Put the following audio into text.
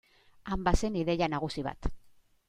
Han bazen ideia nagusi bat.